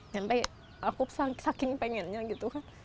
sampai aku saking pengennya gitu kan